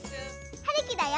はるきだよ。